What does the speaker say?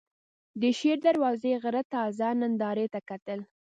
د شېر دروازې غره تازه نندارې ته کتل.